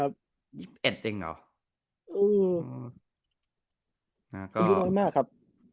อายุน้อยมากครับ